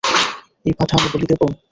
এই পাঁঠা আমি বলি দেবো!